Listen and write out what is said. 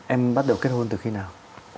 em bắt đầu kết hôn từ khi nào